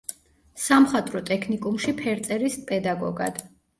სამხატვრო ტექნიკუმში ფერწერის პედაგოგად.